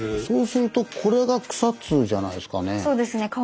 そうするとこれが草津じゃないですかね。